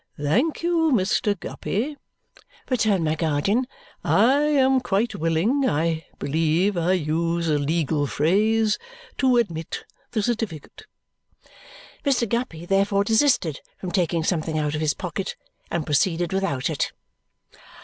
"Thank you, Mr. Guppy," returned my guardian. "I am quite willing I believe I use a legal phrase to admit the certificate." Mr. Guppy therefore desisted from taking something out of his pocket and proceeded without it.